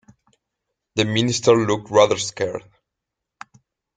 The minister looked rather scared.